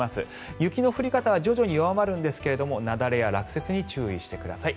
雪の降り方は徐々に弱まるんですが雪崩や落雪に注意してください。